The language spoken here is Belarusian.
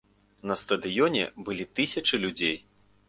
На стадыёне былі тысячы людзей.